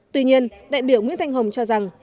tuy nhiên đại biểu nguyễn thanh hồng cho rằng